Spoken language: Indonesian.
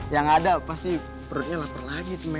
yang ada pasti perutnya lapar lagi tuh men